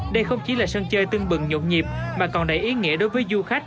đây không chỉ là sân chơi tưng bừng nhộn nhịp mà còn đầy ý nghĩa đối với du khách